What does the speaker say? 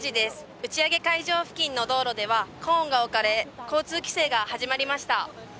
打ち上げ会場近くではコーンが置かれ交通規制が始まりました。